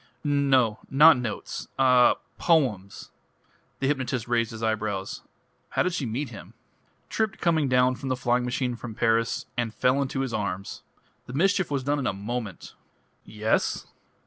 "No not notes.... Ah poems." The hypnotist raised his eyebrows. "How did she meet him?" "Tripped coming down from the flying machine from Paris and fell into his arms. The mischief was done in a moment!" "Yes?"